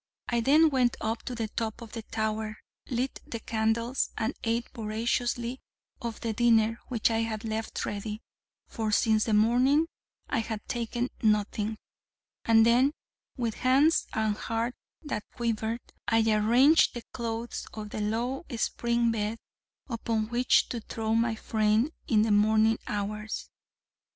I then went up to the top of the tower, lit the candles, and ate voraciously of the dinner which I had left ready, for since the morning I had taken nothing; and then, with hands and heart that quivered, I arranged the clothes of the low spring bed upon which to throw my frame in the morning hours.